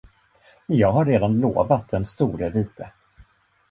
Men jag har redan lovat den store vite.